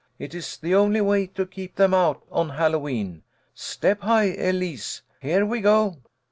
It is the only way to keep them out on Hallowe'en. Step high, Elise ! Here we go